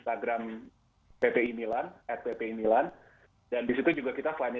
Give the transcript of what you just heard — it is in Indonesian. kegiatan belajar mengajar dan juga kita juga sebagai organisasi ingin coba tetap berorganisasi seperti biasa